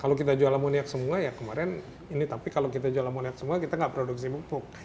kalau kita jual amoniak semua ya kemarin ini tapi kalau kita jual monet semua kita nggak produksi pupuk